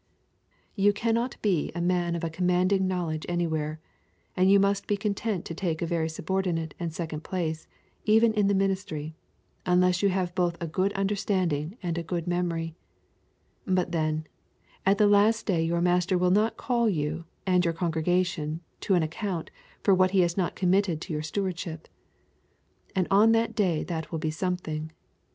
You cannot be a man of a commanding knowledge anywhere, and you must be content to take a very subordinate and second place, even in the ministry, unless you have both a good understanding and a good memory; but then, at the last day your Master will not call you and your congregation to an account for what He has not committed to your stewardship. And on that day that will be something.